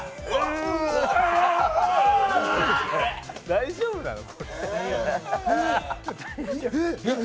大丈夫なの？